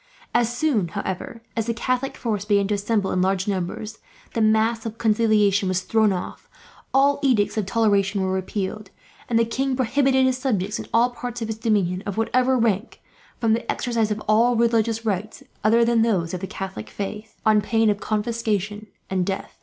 As soon, however, as the Catholic forces began to assemble in large numbers, the mask of conciliation was thrown off, all edicts of toleration were repealed, and the king prohibited his subjects in all parts of his dominions, of whatever rank, from the exercise of all religious rites other than those of the Catholic faith, on pain of confiscation and death.